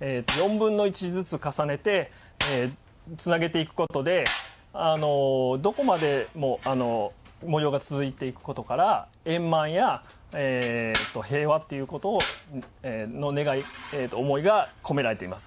４分の１ずつ重ねてつなげていくことでどこまでも模様が続いていくことから円満や平和っていうことの願い思いが込められています。